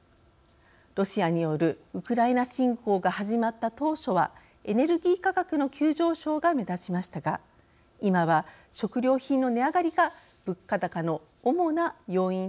ロシアによるウクライナ侵攻が始まった当初はエネルギー価格の急上昇が目立ちましたが今は食料品の値上がりが物価高の主な要因となっています。